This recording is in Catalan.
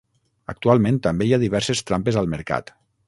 Actualment també hi ha diverses trampes al mercat.